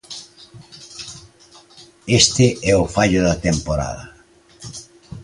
Este é o fallo da temporada.